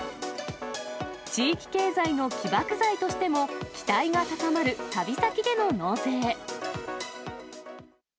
地域経済の起爆剤としても期待が高まる旅先での納税。